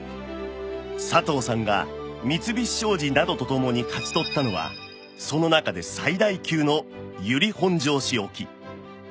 佐藤さんが三菱商事などと共に勝ち取ったのはその中で最大級の由利本荘市沖